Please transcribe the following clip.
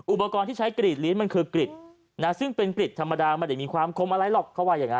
อุปกรณ์ที่ใช้กรีดลิ้นมันคือกริดซึ่งเป็นกริดธรรมดาไม่ได้มีความคมอะไรหรอกเขาว่าอย่างนั้น